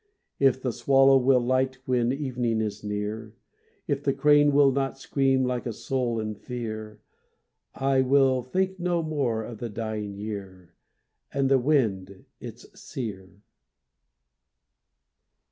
If the swallow will light When evening is near; If the crane will not scream Like a soul in fear; I will think no more Of the dying year, And the wind, its seer.